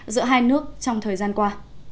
giữa hai nước trong thời gian qua